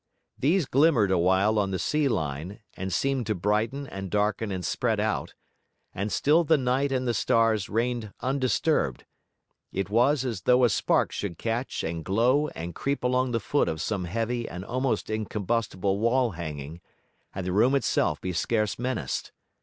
These glimmered a while on the sea line, and seemed to brighten and darken and spread out, and still the night and the stars reigned undisturbed; it was as though a spark should catch and glow and creep along the foot of some heavy and almost incombustible wall hanging, and the room itself be scarce menaced.